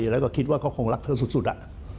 แล้วก็คิดว่าเขาคงรักเธอสุด